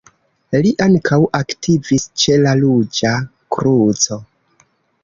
Li ankaŭ aktivis ĉe la Ruĝa Kruco.